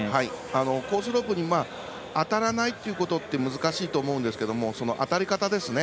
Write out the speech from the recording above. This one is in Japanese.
コースロープに当たらないということって難しいと思うんですけど当たり方ですね。